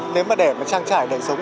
nếu mà để trang trải đời sống